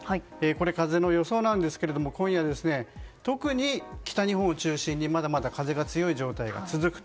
風の予想なんですが、今夜特に北日本を中心にまだまだ風が強い状態が続くと。